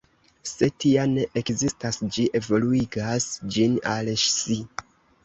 Se tia ne ekzistas, ĝi evoluigas ĝin al si.